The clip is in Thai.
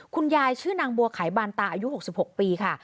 คุณยายชื่อนางบัวไขบานตาอายุ๖๖ปีค่ะ